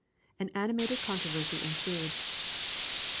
An animated controversy ensued.